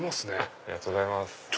ありがとうございます。